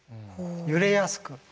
揺れやすく。